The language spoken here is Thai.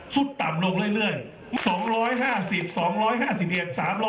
ต่ำลงเรื่อย